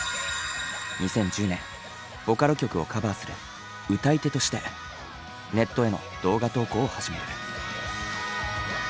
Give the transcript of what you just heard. ２０１０年ボカロ曲をカバーする歌い手としてネットへの動画投稿を始める。